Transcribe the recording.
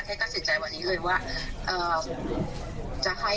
ให้กันเสียใจวันนี้เลยว่าเอ่อจะให้ไหมอะไรอย่างเงี้ย